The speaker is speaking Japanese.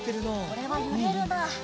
これはゆれるな。